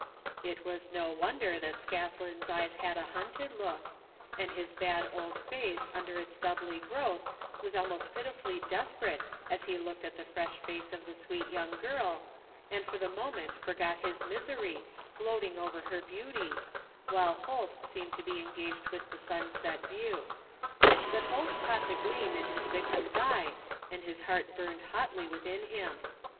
It was no wonder that Scathlin's eyes had a hunted look, and his bad old face under its stubbly growth was ahnost pitifully desperate as he looked at the fresh face of the vsweet young girl, and for the moment forgot his misery, gloating over her beauty, while Holt seemed to be engaged with the stmset view. But Holt caught the gleam in his victim's eye and his heart burned hotly within him.